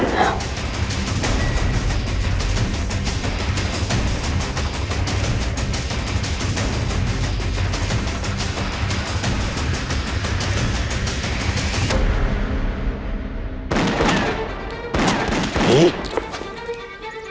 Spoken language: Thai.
เฮ้ย